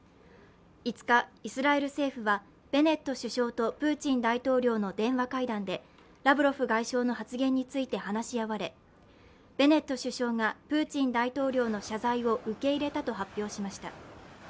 ５日、イスラエル政府はベネット首相とプーチン大統領の電話会談でラブロフ外相の発言について話し合われベネット首相がプーチン大統領の謝罪を受け入れたと発表しました。